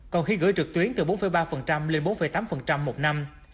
còn khi gửi trực tuyến từ bốn ba lên bốn tám một năm